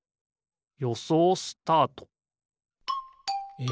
よそうスタート！え